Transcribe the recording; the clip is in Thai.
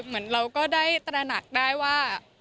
เหมือนเราก็ได้ตระหนักได้ว่า